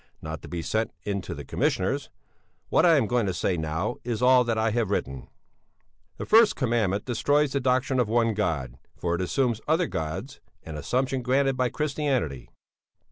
(Not to be sent in to the Commissioners; what I am going to say now is all that I have written.) "'The first Commandment destroys the doctrine of one God, for it assumes other gods, an assumption granted by Christianity.